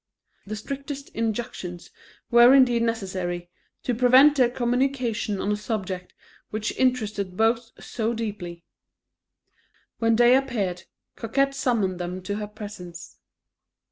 The strictest injunctions were indeed necessary, to prevent their communicating on a subject which interested both so deeply. When day appeared, Coquette summoned them to her presence.